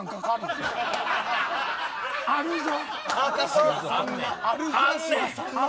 あるぞ。